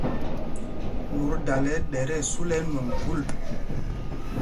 Mot dala ɗɛ tí ɛsu lɛ ɛnwɔŋ khûl.